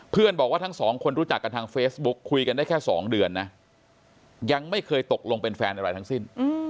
บอกว่าทั้งสองคนรู้จักกันทางเฟซบุ๊กคุยกันได้แค่๒เดือนนะยังไม่เคยตกลงเป็นแฟนอะไรทั้งสิ้น